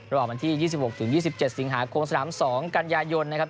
ระบบอันที่๒๖๒๗สิงหาโครงสนาม๒กัญญายนต์นะครับ